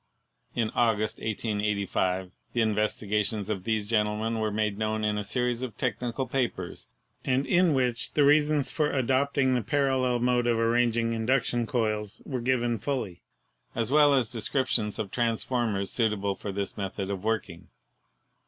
In August, 1885, the investigations of these gentlemen were made known in a series of technical papers, and in which the reasons for adopting the parallel mode of ar ranging induction coils were given fully, as well as de scriptions of transformers suitable for this method of working.